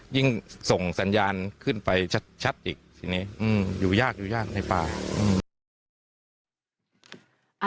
ยิ่งส่งสัญญาณขึ้นไปชัดอีกอยู่ยากในป่า